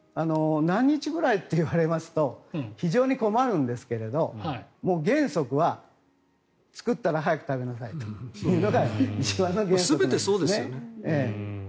何日ぐらいといわれますと非常に困るんですけれど原則は作ったら早く食べなさいというのが全てそうですね。